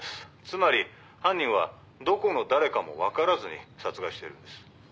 つまり犯人はどこの誰かも分からずに殺害しているんです。